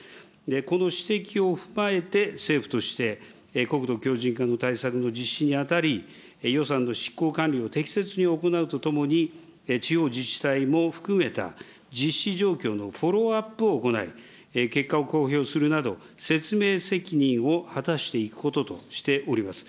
この指摘を踏まえて、政府として、国土強じん化の対策の実施にあたり、予算の執行管理を適切に行うとともに、地方自治体も含めた実施状況のフォローアップを行い、結果を公表するなど、説明責任を果たしていくこととしております。